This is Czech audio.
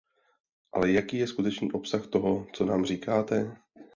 Ale jaký je skutečný obsah toho, co nám říkáte?